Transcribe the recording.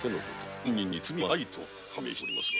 本人に罪はないと判明しておりますが。